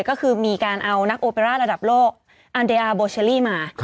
ก็คือมีการเอานักโอเปร่าระดับโลกอันเดอาร์โบเชอรี่มา